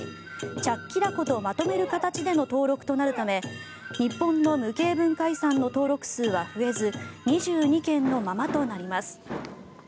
チャッキラコとまとめる形での登録となるため日本の無形文化遺産の登録数は増えず２２件のままとなります。